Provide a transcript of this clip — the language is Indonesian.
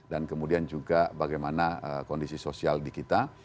dan kemudian juga bagaimana kondisi sosial di kita